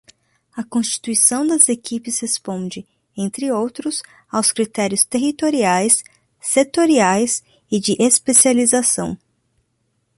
A constituição das equipes responde, entre outros, aos critérios territoriais, setoriais e de especialização.